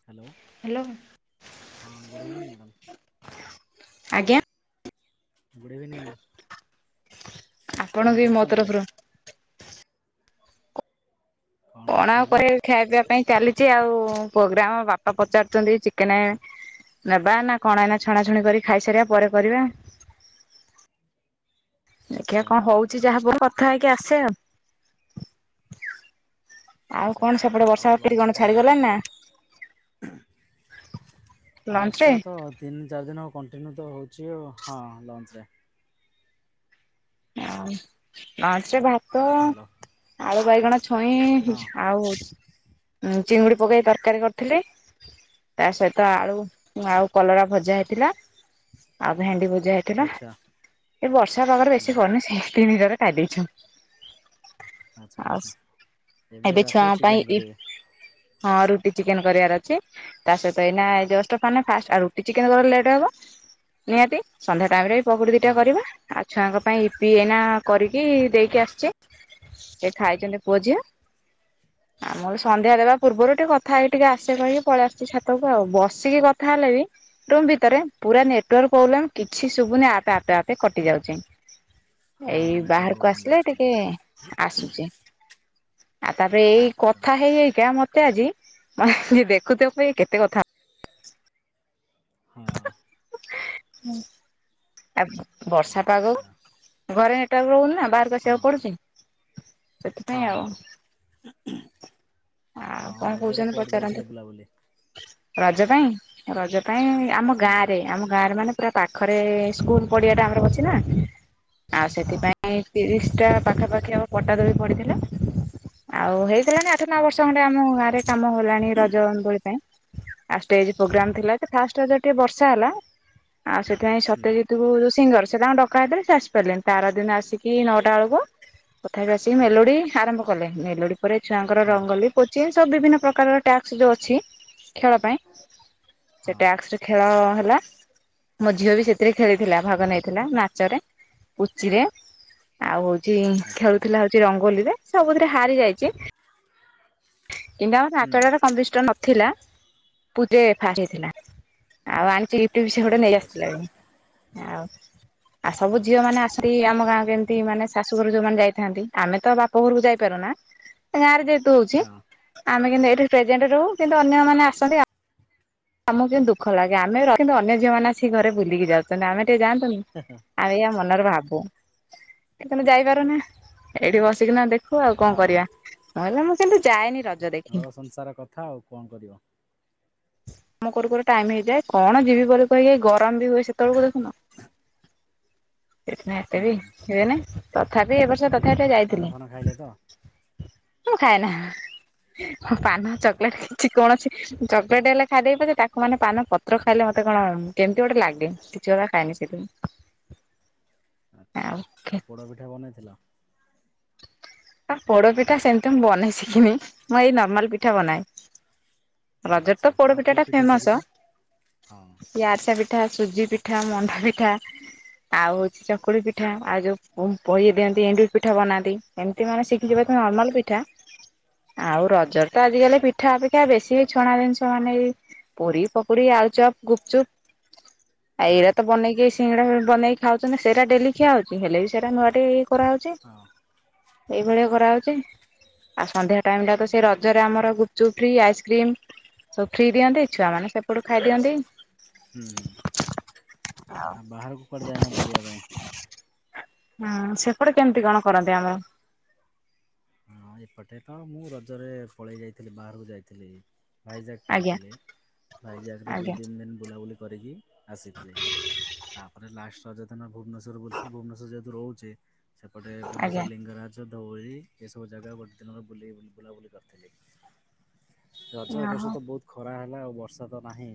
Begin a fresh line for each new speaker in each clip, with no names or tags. Hello
hello
ହଁ good evening madam.
[unintelligible] ଆଜ୍ଞା।
Good evening. କଣ
ଆପଣ ବି ମୋ
କରୁଛନ୍ତି?
ତରଫରୁ କଣ ଆଉ କରିବି ଖାଇବା ପାଇଁ ଚାଲିଛି, ଆଉ ପୋଗ୍ରାମ ବାପା ପଚାରୁଛନ୍ତି ଚିକେନ ନେବା ନା କଣ ଏନା ଛଣାଛୁଣି କରି ଖାଇସାରିବା ପରେ କରିବା। ଦେଖିଆ
ଆଚ୍ଛା
କଣ କହୁଛି ଯାହା ହେବ କଥା ହେଇକି ଆସେ ଆଉ। ଆଉ
ଆଚ୍ଛା
କଣ
ଆଚ୍ଛା
ସେପଟେ
ଆଉ
ବର୍ଷା ଫେର
ଲଞ୍ଚରେ
କଣ
ଖାଇଥିଲେ?
ଛାଡିଗଲାଣି ନା?
[unintelligible]
ଲଞ୍ଚ ରେ
ବର୍ଷା ତ। ତିନି ଚାରି ଦିନ କଣ୍ଟିନ୍ୟୁ ତ ହେଉଛି ଆ ହଁ ଲଞ୍ଚରେ।
[unintelligible] ତ
ହ୍ୟାଲୋ
ଆଳୁ ବାଇଗଣ ଛୁଇଁ
ହଁ
ଆଉ ଚିଙ୍ଗୁଡ଼ି ପକେଇ ତରକାରୀ କରିଥିଲି। ତା ସହିତ ଆଳୁ ଆଉ କଲରା ଭଜା ହେଇଥିଲା। ଆଉ ଭେଣ୍ଡି ଭଜା ହେଇଥିଲା।
ଆଚ୍ଛା
ଥିଲା ଏ ବର୍ଷା ପାଗରେ
ହୁଁ
ବେଶୀ କରନି ସେ ତିନିଟରେ ଖାଇଦେଇଛୁ।
ଆଛା ଆଚ୍ଛା ଏବେ ରାତି
ଛୁଆଙ୍କ ପାଇଁ
ଚିକେନ
ଇ
କରେବେ?
ହଁ ରୁଟି ଚିକେନ କରିବାର ଅଛି। ତା ସହିତ ଏଇନା ଜଷ୍ଟ ପାନ ଫାଷ୍ଟଠାରୁ ରୁ ଚିକେନ କରି ଲେ ଲେଟ ହବ। ନିହାତି ସନ୍ଧ୍ୟା ଟାଇମ ରେ ବି ପକୁଡି ଦିଟା
ହଁ
କରିବା ଆଉ ଛୁଆ ଙ୍କର ପାଇଁ ଇ ପି ଏଇନା କରିକି ଦେଇକି ଆସିଚି ଏ ଖାଇଛନ୍ତି ପୁଅ ଝିଅ।
ହ [unintelligible]
ଆମର ସନ୍ଧ୍ୟା ଦେବା ପୂର୍ବରୁ ଟି କେ କଥା ହେଇକି ଟିକେ ଆସେ କହିକି ପଳେଇ ଆସୁଛି ଛାତକୁ। ଆଉ ବସିକି କଥା ହେଲେ ବି ରୁମ ଭିତରେ ପୁରା ନେଟାର୍କ ପ୍ରୋବ୍ଲେମ୍ କିଛି ଶୁବୁନି ଆପେ ଆପେ ଆପେ କଟି ଯାଉଛି।
ହଁ
ଏଇ
ନେଟୱାର୍କ
ବାହାରକୁ
ପ୍ରୋବ୍ଲେମ୍
ଆସିଲେ
ରହୁଛି
ଟିକେ ଆସୁଛି ଆଉ ତାପରେ
ଟିକେ
ଏଇ
ଆଚ୍ଛା
କଥା ହେଇ ହେଇକା ମତେ ଆଜି ଯିଏ ଦେଖୁଥିବ କହିବ ଇଏ କେତେ କଥା
ହଁ
[unintelligible] ହୁଁ। ଆ ବର୍ଷା ପାଗ ଓ
ଆଚ୍ଛା
ଘରେ ନେଟୱର୍କ ରହୁନି ନା ବା
ହଁ
ବସିବାକୁ ପଡୁଛି
ହଁ
ସେଥିପାଇଁ ଆଉ।
ହଁ
ଆଉ
ଆଉ
କଣ
ରଜରେ
କହୁଛନ୍ତି
କୁଆଡେ
ପଚାରନ୍ତୁ
ଯାଇଥିଲେ ବୁଲାବୁଲି।
ରଜ ପାଇଁ ରଜ ପାଇଁ ଆମ ଗାଁ
ହୁଁ
ରେ ଆମ ଗାଁରେ ମାନେ ପୁରା ପାଖରେ ସ୍କୁଲ ପଡିଆ ଟା ଆମର ଅଛି ନା ଆଉ
ହଁ
ସେଥିପାଁଇ ତିରିଶ ଟା ପାଖାପାଖି ଆମ ପଟା ଦୋଳି ପଡ଼ିଥିଲା। ଆଉ ହେଇଥିଲା ନା ଆଠ ନଅ
ହଁ
ବର୍ଷ ଖଣ୍ଡେ ଆମ ଗାଁରେ କାମ ହେଲାଣି ରଜ ଦୋଳି ପାଇଁ ଆଉ ଷ୍ଟେଜ
ହଁ
ପ୍ରୋଗ୍ରାମ୍ ଥିଲା ଯେ ଫାଷ୍ଟ ଟିକେ ବର୍ଷା ହେଲା ଆଉ ସେଥିପାଇଁ
ହୁଁ
ସତ୍ୟଜିତ କୁ ଯୋଉ ସିଙ୍ଗର ସେ ତାଙ୍କ ଡ ଡକା ହୋଇଥିଲା ସେ ଆସି ପାରିଲେଣି। ତାର ଦିନ ଆସିକି ନଅଟା ବେଳକୁ ତଥାପି ଆସିକି ମେଲୋଡି ଆରମ୍ଭ କଲେ ମେଲୋଡି ପରେ ଛୁଆଙ୍କର
ହଁ
ରଙ୍ଗୋଲି କୋଚିଂ ସବୁ ବିଭିନ୍ନ ପ୍ରକାର ଟ୍ୟାକ୍ସ ଯୋଉ ଅଛି ଖେଳ ପାଇଁ ସେ
ହଁ
ଟାକ୍ସ ଖେଳ ହେଲା। ମୋ ଝିଅ ବି ସେ ସେଥିରେ ଖେଳିଥିଲା ଭାଗ ନେଇଥିଲା ନାଚରେ ପୁଚିରେ। ଆଉ ହଉଛି
ଆଚ୍ଛା
ଖେଳୁଥିଲା ହଉଛି ରଙ୍ଗୋଲିରେ ସବୁଥିରେ ହାରି ଯାଇଛି। କିନ୍ତୁ ଆମର
ହୁଁ
ନାଚରେ କମ୍ପିଟେସନ ନଥିଲା ପୁରୀରେ ଫାଷ୍ଟ ହେଇଥିଲା। ଆଉ ଆଣିଛି ଗିଫ୍ଟ ବି ସେ ଗୋଟେ
ଆଚ୍ଛା
ନେଇ
ଆଚ୍ଛା
ଆସିଥିଲା। ଆଉ ଆଉ ସବୁ
ହୁଁ
ଝିଅ ମାନେ ଆସି ସେ ଆମ ଗାଁ ଏମିତି ମାନେ ଶାଶୁଘରୁ ଯୋଉମାନେ ଯାଇଥାନ୍ତି ଆମେ ତ ବାପ ଘରକୁ ଯାଇପାରୁନା ଗାଁରେ ଯେହେତୁ ହେଉଛି
ହଁ
ଆମେ କିନ୍ତୁ ଏଇଠି ପ୍ରେଜେଣ୍ଟ ରହୁ କିନ୍ତୁ ଅନ୍ୟମାନେ ଆସନ୍ତି ଆମକୁ କିନ୍ତୁ ଦୁଃଖ ଲାଗେ ଆମେ ରହିବି କିନ୍ତୁ ଅନ୍ୟ ଝିଅମାନେ ଆସିକି ଘରେ ବୁଲିକି ଯାଉଛନ୍ତି। ଆମେ ଟିକେ ଯାଆନ୍ତୁ ନି।
ହଁ ହଁ
ଆଉ ଏଇଆ ମନରେ ଭାବୁ ଯେହେତୁ ଆମେ ଯାଇପାରୁନା ଏଇଠି ବସିକିନା ଦେଖୁ। ଦେଖୁ ଆଉ କଣ
ହଁ
କରିବା। [unintelligible] କିନ୍ତୁ ଯାଏନି ରଜ
ଘର
ଦେଖି।
ସଂସାର କଥା ଥା ଆଉ କଣ କରିବ।
କାମ କରୁ କରୁ ଟାଇମ୍ ହେଇଯାଏ କଣ ଯିବି ବୋଲି କହିକି ଗରମ ବି ହୁଏ ସେତେବେଳକୁ ଦେଖୁନ। ସେଥିପାଇଁ ଏତେ
ହୁଁ
ବି ହୁଏନି ତଥାପି ଏ ବର୍ଷ ତଥାପି ଟିକେ
ହଁ ପାନ
ଯାଇଥିଲି।
ଫାନ ଖାଇଲେ ତ
ମୁଁ ଖାଏନା ମୁଁ ପାନ
ହଁ ହଁ
ଚକୋଲେଟ କିଛି କୌଣସି ଚ କଲେଟ୍ ହେଲେ ଖାଇଦେବି ପଛେ ତାକୁ ମାନେ ପାନ ପତ୍ର ଖାଇଲେ ମତେ କଣ କେମିତି ଗୋଟେ ଲାଗେ କିଛି [unintelligible] ଖାଏନି ସେଥି ପାଇଁ। ଆଉ
ଆଚ୍ଛା ଆଉ ପୋଡ଼ ପିଠା ବନେଇଥିଲ?
ଆ ପୋଡ଼ ପିଠା ସେମିତି ମୁଁ ବନେଇ ଶିଖିନି ମୁଁ ଏଇ ନର୍ମାଲ ପିଠା ବନାଏ। ରଜରେ
ଆଚ୍ଛା
ତ
ଆଉ
ପୋଡ଼ପିଠା
କୋଉ
ଟା
ପିଠା
ଫେମସ।
ଶିଖିଛ ହଁ
କିଏ ଆରିସା ପିଠା, ସୁଜି ପିଠା, ମଣ୍ଡା ପିଠା। ଆଉ ହୋଉଛି ଚକୁଳି ପିଠା ଆଉ ଯେଉଁ ପୋମ୍ ପହି ଦିଅନ୍ତି ଏଣ୍ଡୁରି ପିଠା ବନାନ୍ତି। ଏମିତି ମାନେ
ହଁ
ଶିଖିଯିବା ତ ନର୍ମାଲ ପିଠା। ଆଉ ରଜରେ ତ ଆଜିକାଲି ପିଠା ଅପେକ୍ଷା ବେଶୀ ଏଇ ଛଣା ଜିନିଷ ମାନେ ବି ପୁରୀ, ପକୋଡ଼ି, ଆଳୁଚପ, ଗୁପଚୁପ। ଆ
ହଁ
ଏଇରା ତ ବନେଇକି ଏଇ ସିଙ୍ଗଡ଼ା ବନେଇକି ଖାଉଛନ୍ତି ସେଇରା ଡେଲି ଖିଆ ହଉଛି ହେଲେ ବି ସେଇରା ନୂଆ ଟିକେ ଇଏ କରାହଉଛି।
ହଁ
ଏଇଭଳିଆ କରା ହଉଛି। ଆଉ ସନ୍ଧ୍ୟା ଟାଇମ ଟା ତ ସେ
ଆଚ୍ଛା
ରଜରେ ଆମର ଗୁପଚୁପ୍ ଫ୍ରୀ ଆଇସ୍କ୍ରିମ୍ ସବୁ ଫ୍ରି ଦିଅନ୍ତି ଛୁଆ ମାନେ ସେପଟୁ ଖାଇ ଦିଅନ୍ତି।
ହୁଁ। ଆଉ ବାହାରକୁ କୁଆଡ଼େ ଯାଇନ ବୁଲିବା ପାଇଁ?
ହୁଁ ସେପଟେ କେମିତି କଣ କରନ୍ତି ଆମର?
ହଁ ଏପଟେ ତ ମୁଁ ରଜରେ ପଳେଇ ଯାଇଥିଲି ବାହାରକୁ ଯାଇଥିଲି। ଭାଇଜାକ୍
ଆଜ୍ଞା
ପଳେଇଥିଲି ଭାଇଜାକରେ ଦୁଇ
ଆଜ୍ଞା
ତିନ ଦିନ ବୁଲାବୁଲି କରିକି ଆସିଥିଲି ତାପରେ ଲାଷ୍ଟ ରଜ ଦିନ ଭୁବନେଶ୍ଵରରେ ବୁଲିଥିଲି ଭୁବନେଶ୍ୱର ଯେହେତୁ ରହୁଛି। ସେପଟେ
ଆଜ୍ଞା।
ଭୁବନେଶ୍ଵର ଲିଙ୍ଗରାଜ ଧଉଳି ଏସ୍ ସବୁ ଜାଗା ଗୋଟେ ଦିନରେ ବୁଲି ବୁଲ୍ ବୁଲାବୁଲି କରିଥିଲି ରଜ ଏବର୍ଷ
ଓହୋ
ତ ବୋହୁତ ଖରା ହେଲା ଆଉ ବର୍ଷା ତ ନାହିଁ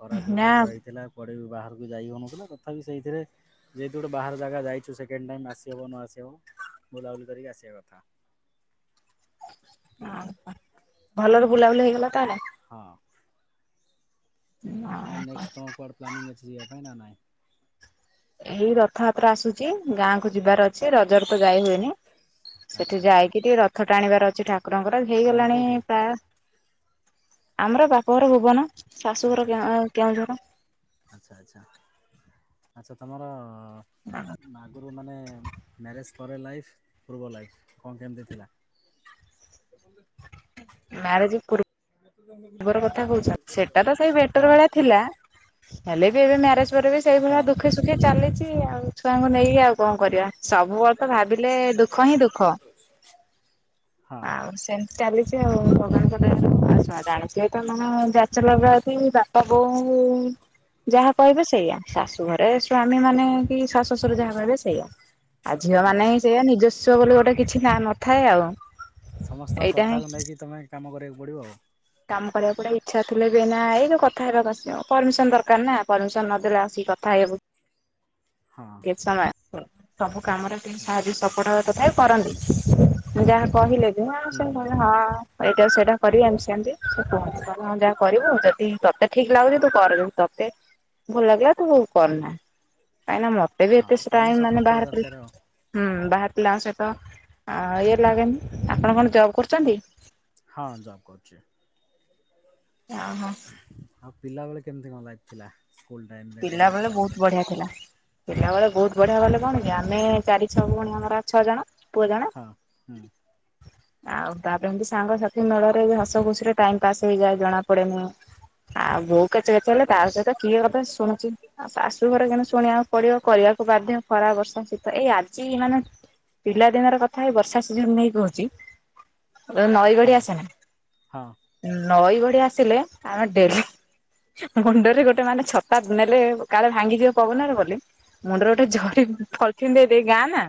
ଖରା ଯୋଉ
ନା
ଟାଇପର ହେଇଥିଲା କୁଆଡ଼େ ବି ବାହାରକୁ ଯାଇ ହୋଉଥିଲା ତଥାପି ସେଇଥିରେ ଯେହେତୁ ଗୋଟେ ବାହାର ଜାଗା ଯାଇଛୁ ସେକେଣ୍ଡ ଟାଇମ୍ ଆସିହବ ନ ଆସିହବ ବୁଲାବୁଲି କରିକି ଆସିବା କଥା।
ଅଁ ହଁ ଭଲରେ ବୁଲାବୁଲି ହେଇଗଲା ତାହେଲେ?
ହଁ ଆଉ ନେକ୍ସଟ ତୁମର କୁଆଡ଼େ ପ୍ଲାନିଂ ଅଛି ଯିବା ପାଇଁ ନା ନାଇଁ?
ଏଇ ରଥଯାତ୍ରା ଆସୁଛି ଗାଁ କୁ ଯିବାର ଅଛି ରଜରେ ତ ଯାଇ ହୁଏନି। ସେଠି
ଆଚ୍ଛା
ଯାଇକିରି ରଥ ଟାଣିବାର ଅଛି ଠାକୁରଙ୍କର
ଗାଁ
ହେଇଗଲାଣି
କୋଉଠି?
ପ୍ରାୟ ଆମର ବାପଘର ଭୁବନ ଶାଶୁଘର
ଆଚ୍ଛା
କେଁ
ଆଚ୍ଛା
ଅ କେଉଁଝର।
ଆଚ୍ଛା ଆଚ୍ଛା ଆଚ୍ଛା ତମର ନା ଆଗରୁ ମାନେ ମ୍ୟାରେଜ ପରେ ଲାଇଫ ପୂର୍ବ ଲାଇଫ୍ କଣ କେମିତି ଥିଲା? କୁ
ମ୍ୟାରେଜ୍ ପୂର୍ବର କଥା କହୁଚ ସେଟା ତ ସେଇ
ହଁ
ବେଟର ଭଳିଆ ଥିଲା। ହେଲେ ବି ଏବେ ମ୍ୟାରେଜ ପରେ ବି ସେଇଭଳିଆ
ହଁ
ଦୁଖେ ସୁଖେ ଚାଲିଛି ଆଉ ଛୁଆଙ୍କୁ ନେଇକି ଆଉ କଣ କରିବା ସବୁବେଳେ ତ ଭାବିଲେ ଦୁଃଖ ହିଁ ଦୁଃଖ।
ହଁ
ଆଉ ସେମ୍ ଚାଲିଛି ଆଉ ଭଗବାନଙ୍କ ଦୟାରୁ ବଞ୍ଚିବା ଜାଣି [unintelligible] ତମେ ବ୍ୟାଚେଲର ଲାଇଫ ରୁ ବାପା ବୋଉ
ହ [unintelligible]
ଯାହା କହିବେ ସେଇଆ। ଶାଶୁ ଘରେ ସ୍ଵାମୀ ମାନେ କି ଶାଶୁ ଶଶୁର ଯାହା କହିବେ ସେଇଆ। ଆଉ ଝିଅ
ହଁ
ମାନେ ହିଁ ସେଇଆ। ନିଜସ୍ଵ ବୋଲି ଗୋଟେ କିଛି ଟା ନଥାଏ ଆଉ।
ସମସ୍ତଙ୍କ
ଏଇଟା ହିଁ
କଥାକୁ ନେଇକି ତୁମେ କାମ କରିବାକୁ ପଡ଼ିବ ଆଉ।
କାମ କରିବାକୁ ପଡିବ ଇଚ୍ଛା ଥିଲେ ବି ନା ଏଇନା ଏଇ ଯୋଉ କଥା ହେବାକୁ ଆସିବ। ପରମିସନ ଦରକାର ନା ପରମିସନ ନଦେଲେ ଆସିକି କଥା ହେଇ ହେବୁ।
ହଁ
ସବୁ କାମରେ ଟିକେ ସାହାଯ୍ୟ
ଆଚ୍ଛା
ସପୋର୍ଟ ହବା ତଥାପି କରନ୍ତି। ଯାହା କହିଲେ କି ଆ
ହୁଁ
ସେ
ହୁଁ
ହଁ [unintelligible] ଏଇଟା ସେଇଟା କରିବା ଆମେ ସେମିତି। ଯାହା କରିବୁ ଯଦି ତତେ ଠିକ୍ ଲାଗୁଛି ତୁ କରେ। ତତେ ଭଲ ଲାଗିଲା ତତୁ କରନା। କାହିଁକନା ମତେ ଏେ ବି
ହଁ
ଏତ
ସ୍ୱାମୀ
ଟାଇ ମାନେ
ସପୋର୍ଟ
ବାହାର
କରିବା ଦରକାର ଆଉ।
[unintelligible] ହୁଁ ବାହାର ପିଲା ସହିତ ଇଏ ଲାଗେନି। ଆପଣ କଣ ଜବ୍ କରୁଛନ୍ତି?
ହଁ ଜବ୍ କରୁଛି।
ଅ ହୋ।
ଆଉ ପିଲାବେଳେ କେମିତି କଣ ଲାଗିଥିଲା ଲାଇଫ ଥିଲା? ସ୍କୁଲ ଟାଇମରେ
ପିଲା
କଲେଜ
ବେଳେ
ଟାଇମରେ?
ବହୁତ ବଢିଆ ଥିଲା। ପିଲାବେେଳେ
ଆଚ୍ଛା
ବହୁତ ବଢିଆ ମାନେ କଣ କି ଆମେ ଚାରି ଛଅ ଭଉଣୀ ଆମର ଛଅ ଜଣ ପୁଅ ଜଣେ
ହଁ ହୁଁ।
ଆଉ ତାପରେ ଏମିତି ସାଙ୍ଗସାଥି ମେଳରେ ହସ ଖୁସି ରେ ଟାଇମ ପାସ୍ ହେଇଯାଏ ଜଣା ପଡେନି। ଆଉ ବୋଉକେ କେଚେ କେଚେ ହେଲେ ତା ସହିତ କିଏ କଥା ଶୁଣୁଛି। ଆଉ ଶାଶୁଘରେ କିନ୍ତୁ ଶୁଣିବାକୁ ପଡିବ। କରିବାକୁ ବାଧ୍ୟ ଖରା ବର୍ଷା ଶୀତ ଏଇ ଆଜି ମାନେ ପିଲାଦିନର କଥା ଏ ବର୍ଷା ସିଜିନି ନେଇ କହୁଛି ନଈ ବଢ଼ି
ହଁ
ଆସେନି।
ହଁ
ନଈ ବଢ଼ି ଆସିଲେ ଆମେ ଡେଲି ମୁଣ୍ଡରେ ଗୋଟେ ମାନେ ଛତା ନେଲେ କାଳେ ଭାଙ୍ଗିଯିବ ପବନରେ ବୋଲି ମୁଣ୍ଡରେ ଗୋଟେ ଜରି ପଲିଥିନ ଦେଇ ଦେଇ ଗାଁ ନା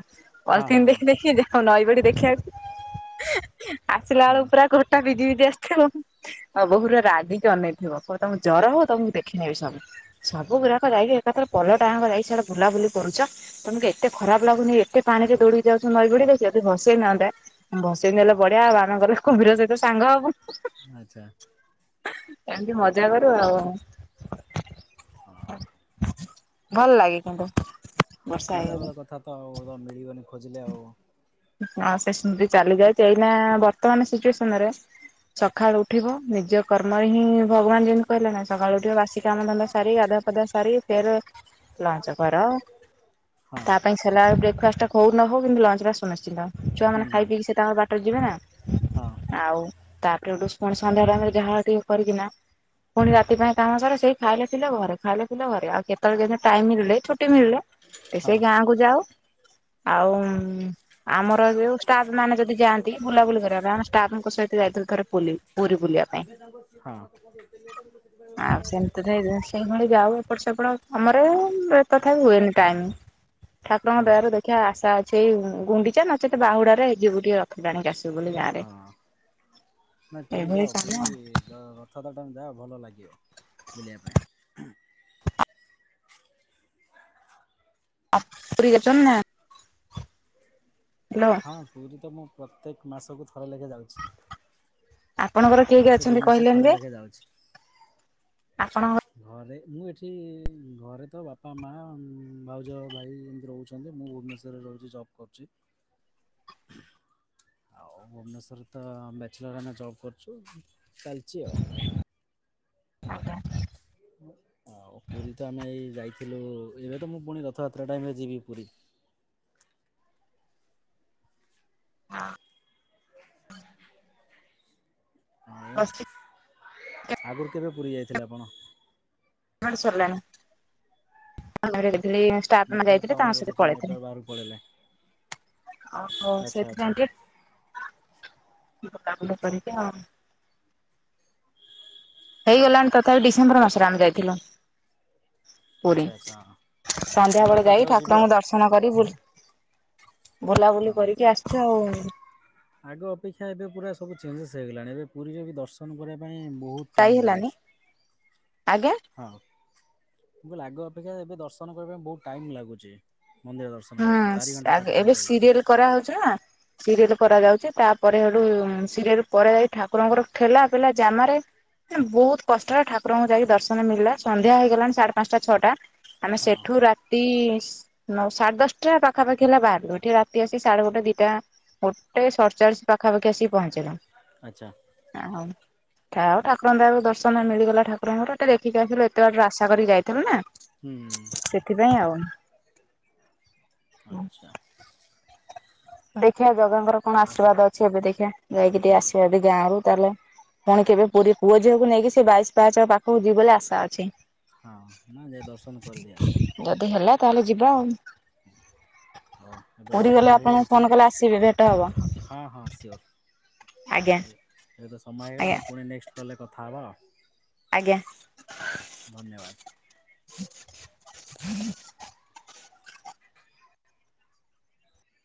ହଁ
ପଲି
ହଁ
ଦେଇ ଦେଖି ଯାଉ ନଈ ବଡି ଦେଖିବାକୁ ଆସିଲା
ହଁ
ବେଳକୁ ପୁରା ଗୋଟା ଭିଜି ଭିଜି ଆସିଥିବ। ଅ ବୋଉ ପୁରା ରାଗିକି ଅନେଇଥିବ। କହିବ ତମକୁ ଜ୍ୱର ହଉ ତମକୁ ଦେଖିନେବି ସବୁ। ସବୁ ଗୁଡାକ ଯାଇକି ଏକାଥରେ ପଲଟା ଯାକ ଯାଇକିନା ସିଆଡେ ବୁଲାବୁଲି କରୁଛ। ତମକୁ ଏତେ ଖରାପ ଲାଗୁନି। ଏତେ ପାଣିରେ ଦୌଡିଡ଼ି ଯାଉଛ ନଈବଢିରେ ସେ ଯଦି ଭସେଇ ନଅନ୍ତେ। ଭସେଇ ନେଲେ ବଢିଆ ଆଉ। ଆମେ କହିବୁ କୁମ୍ଭୀର ସହିତ ସାଙ୍ଗ ହବୁ।
ଆଚ୍ଛା।
ଏମିତି ମଜା କରୁ ଆଉ।
ହଁ [unintelligible]
ଭଲ ଲାଗେ କିନ୍ତୁ।
ହଁ
ବର୍ଷା
ପିଲା
ହେଇଗଲେ
ବେଳ କଥା ତ ଆଉ ମିଳିବନି ଖୋଜିଲେ ଆଉ।
ହଁ ସେ ସେମିତି ଚାଲିଯାଇଛି। ଏଇକିନା ବର୍ତ୍ତମାନ ସିଚୁଏସନରେ ସକାଳୁ ଉଠିବ ନିଜ କର୍ମରେ ହିଁ ଭଗବାନ ଯେମିତି କହିଲେ ନା ସକାଳୁ ଉଠିବ ବାସି କାମ ଧନ୍ଦା ସାରି ଗାଧୁଆ ପାଧୁଆ ସାରି ଫେରେ
ଯାଉ ଟିକେ କୁର କୁରି ବଢିଥିବ। [unintelligible]
ତା ପାଇଁ ସେଲାଡ ବ୍ରେକଫାଷ୍ଟ ହଉ ନ ହଉ। କିନ୍ତୁ ଲଞ୍ଚ ଟା ସୁନିଶ୍ଚିତ। ଛୁଆ
ହୁଁ
ମାନେ ଖାଇ ପିଇ ସେ ତାଙ୍କ ବା ଟରେ ଯିବେ ନା।
ହଁ
ଆଉ ତାପରେ ଗୋଟେ ପୁଣି ସନ୍ଧ୍ୟା ଟାଇମ ଯାହା ଟିକେ କରିକିନା ପୁଣି ରାତି ପାଇଁ କାମ ସରିକି ଖାଇଲେ ପିଇଲେ ଘରେ। ଖାଇଲେ ପିଇଲେ ଘରେ। ଆଉ କେତେବେଳେ କେମିତି ଟାଇମି ମିଳିଲେ ଛୁଟି ମିଳିଲେ ଏ
ହଁ
ସେଇ ଗାଁ କୁ ଯାଉ। ଆଉ ଉଁ ଆମରଯୋଉ ଷ୍ଟାଫ ମାନେ ଯଦି ଯାଆନ୍ତି ବୁଲାବୁଲି କରିବା ପାଇଁ। ଆମେ ଷ୍ଟାଫଙ୍କ ସହିତ ଯାଇଥିଲୁ ଥରେ ବୁଲି।
ଯେବେ ତାଙ୍କ
ଆଉ ସେମିତି ତ
[unintelligible]
ସେଇଭଳି ଯାଉ ଏପଟ ସେପଟ କାମରେ ତଥାପି ହୁଏନି ଟାଇମ। ଠାକୁରଙ୍କ ଦୟାରୁ
ଆଚ୍ଛା
ଦେଖିଆ ଆଶା ଅଛି ଏଇ ଗୁଣ୍ଡିଚା ନଚେତ ବାହୁଡାରେ ଯିବୁ ଟିକେ ରଥ ଟାଣିକି ଆସିବୁ ବୋଲି। ଗାଁରେ।
ହଁ ନାଇଁ ପୁରୀ
ଏଇଭଳି
ଯାଅ
କାମ
ପୁରୀ ଦ ର ଥ ଡା ଟାଇମ ଯାଅ ଭଲ ଲାଗିବ। ବୁଲିଆ ପାଇଁ।
ଆ ଫ୍ରୀ ଅଛନ୍ ନା? ହାଲୋ।
ହଁ ପୁରୀ ତ ମୁଁ ପ୍ରତ୍ୟେକ ମାସକୁ ଥରେ ଲେଖା ଯାଉ
ଆପଣଙ୍କର କିଏ କିଏ
ମାସେ
ଅଛନ୍ତି
ଦୁଇ ମାସେ
କହିଲେନି ଯେ?
ଥରେ ଲେଖେ ଯାଉଛି।
ଆପଣଙ୍କ
ଘରେ ମୁଁ ଏଠି ଘରେ ତ ବାପା, ମା, ଭାଉଜ, ଭାଇ ଏମିତି ରହୁଛନ୍ତି ମୁଁ ଭୁବନେଶ୍ୱ ରେ ରହୁଚି ଜବ୍ କରୁଚି। ଆଉ ଭୁବନେଶ୍ୱରରେ ତ ବ୍ୟାଚେଲର ଆମେ ଜବ୍ କରୁଚୁ ଚାଲିଚି ଆଉ। [unintelligible] ଆଉ ପୁରୀ ତ ଆମେ ଏଇ ଯାଇଥିଲୁ ଏବେ ତ ମୁଁ ପୁଣି ରଥଯାତ୍ରା ଟାଇମରେ ଯିବି ପୁରୀ।
ହାଁ।
ଆଉ [inaudible] ଆଗରୁ କେବେ ପୁରୀ ଯାଇଥିଲେ ଆପଣ?
ଆମ ଆଡ଼େ ସାରିଲାଣି। [unintelligible] ତା ଆତ୍ମା
ନେଟୱାର୍କ
ଯାଇଥିଲେ
ପାଉନି
ତାଙ୍କ
ବୋଧେ
ସହିତ
ଟିକେ
ପଳେଇଥିଲେ।
ନେଟୱାର୍କ ବାହାରକୁ ପଳେଇଲେ
ଓହୋ
ଆଚ୍ଛା ଆଚ୍ଛା
ସେଥିପାଇଁ କି ବୁଲାବୁଲି କରିକି ଆଉ। ହେଇଗଲାଣି ତଥାପି ଡିସେମ୍ବର ମାସରେ ଆମେ ଯାଇଥିଲୁ। ପୁରୀ
ଆଚ୍ଛା ଆଚ୍ଛା ହଁ। ପୁଣି
ସନ୍ଧ୍ୟାବେଳେ ଯାଇ
ରଥଯାତ୍ରାକୁ ଯିବେ
ଠାକୁରଙ୍କ
ଆଉ
ଦର୍ଶ ନ କରି ବୁଲି ବୁଲାବୁଲି
ହଁ।
କରିକି ଆସିଚୁ ଆଉ।
ଆଗ ଅପେକ୍ଷା ଏବେ ପୁରା ସବୁ ଚେଞ୍ଜେସ୍ ହେଇଗଲାଣି। ଏବେ ପୁରୀରେ ବି ଦର୍ଶନ କରିଆ ପାଇଁ ବହୁତ
ଯାଇ
ଟାଇମ
ହେଲାନି
ଲାଗୁଛି।
ଆଜ୍ଞା
ହଁ ମୁଁ କହିଲି ଆଗ ଅପେକ୍ଷା ଏବେ ଦର୍ଶନ କରିଆ ପାଇଁ ବହୁତ ଟାଇମ୍ ଲାଗୁଚି ମନ୍ଦିର ରେ। ଦର୍ଶନ କରିବା ପାଇଁ ଚାରି ଘଣ୍ଟା ପାଖା ପାଖି ଲାଗିଯିବ।
କରାହୋଉଚି ନା। ସିରିଏଲ କରାଯାଉଚି ତାପରେ ହେଟୁ ସିରିଏଲ ପରେ ଯାଇ ଠାକୁରଙ୍କର ଠେଲା ପିଲା ଜାମାରେ ବହୁତ କଷ୍ଟରେ ଠାକୁରଙ୍କୁ ଯାଇକି ଦର୍ଶନ ମିଳିଲା। ସନ୍ଧ୍ୟା ହେଇଗଲାଣି ସାଢେ ପାଞ୍ଚଟା ଛଅଟା। ଆମେ
ହଁ।
ସେଠୁ ରାତିସ୍ ନସ୍ ସାଢେ ଦଶଟା ପାଖା ପାଖି ହେଲା ବାହାରିଲୁ। ଏଠି ରାତି ଆସି ସାଢେ ଗୋଟେ ଦିଟା ଗୋଟେ ସଡ ଚାଳିଶି ପାଖାପାଖି ଆସିକି ପହଞ୍ଚିଲୁ।
ଆଚ୍ଛା।
ଆ ହଉ। ଥାଉ ଠାକୁରଙ୍କ ଦୟାରୁ ଦର୍ଶନ ମିଳିଗଲା। ଠାକୁରଙ୍କର ଟିକେ ଦେଖିକି ଆସିଲୁ ଏତେ ବାଟରୁ ଆଶା କରିକି ଯାଇଥିଲୁ ନା।
ହୁଁ।
ସେଥିପାଇଁ ଆଉ।
ଆଚ୍ଛା।
ଦେଖିବା ଜଗା ଙ୍କର କଣ
ହ
ଆଶୀର୍ବାଦ ଅଛି ଏବେ ଦେଖିବା? ଯାଇକି ଟିକେ ଆସିବା ଦେ ଯାଉ ତାହେଲେ ପୁଣି କେବେ ପୁରୀ ପୁଅ ଝିଅକୁ ନେଇକି ସେ ବାଇଶି ପାହାଚ ପାଖକୁ ଯିବି ବୋଲି ଆଶା ଅଛି।
ହଁ ନା ଯାଇ ଦର୍ଶନ କରିଦେଇ ଆସ।
ଯଦି ହେଲା ତାହେଲେ ଯିବା ଆଉ।
ହଉ ଏବେ ତ
ପୁରୀ ଗଲେ
ସମୟ
ଆପଣଙ୍କୁ ଫୋନ କଲେ ଆସିବେ ଭେଟ ହବ
ହେଇଯାଇଚି--ହଁ ହଁ ହଁ ସିଓର୍।
ଆଜ୍ଞା।
ଏବେ ସମୟ ହେଇଗଲା
ଆଜ୍ଞା
ମ୍ୟାମ୍, ପୁଣି ନେକ୍ସଟ୍ କଲରେ କଥା ହବା ଆଉ।
ଆଜ୍ଞା।
ହଉ ଧନ୍ୟବାଦ।
[unintelligible]